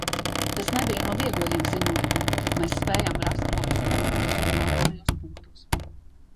Tas nebija no vieglajiem ziņojumiem, bet mēs spējām rast labus kompromisus galvenajos punktos.